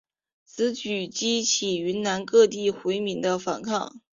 此举激起云南各地回民的反抗。